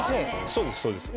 そうですそうです。